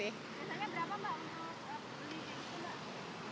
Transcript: biasanya berapa mbak untuk beli jasa fotografer